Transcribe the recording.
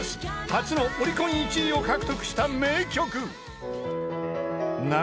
［初のオリコン１位を獲得した名曲］